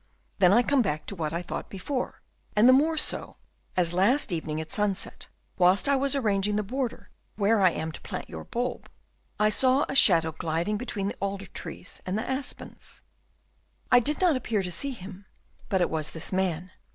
"Then I come back to what I thought before; and the more so as last evening at sunset, whilst I was arranging the border where I am to plant your bulb, I saw a shadow gliding between the alder trees and the aspens. I did not appear to see him, but it was this man.